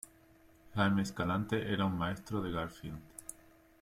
Jaime Escalante era un maestro de Garfield.